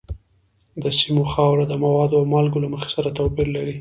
د سیمو خاوره د موادو او مالګو له مخې سره توپیر لري.